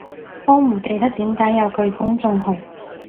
都唔記得點解有佢公眾號